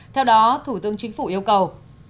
theo đó thủ tướng chính phủ yêu cầu